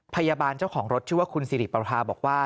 พยาบาลเจ้าของรถชื่อว่าคุณสิริปรภาบอกว่า